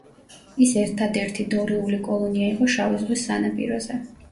ის ერთადერთი დორიული კოლონია იყო შავი ზღვის სანაპიროზე.